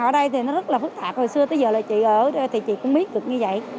ở đây thì nó rất là phức tạp hồi xưa tới giờ là chị ở đây thì chị cũng biết được như vậy